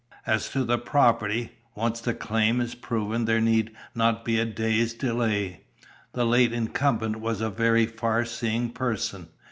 "As to the property, once the claim is proven there need not be a day's delay. The late incumbent was a very far seeing person."